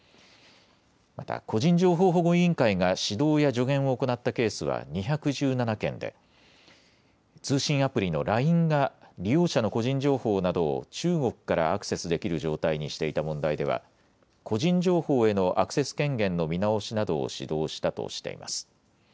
また個人情報保護委員会が指導や助言を行ったケースは２１７件で、通信アプリのＬＩＮＥが利用者の個人情報などを中国からアクセスできる状態にしていた問題では個人情報へのアクセス権限の見直しなどを指導したとしています。